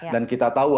dan kita tahu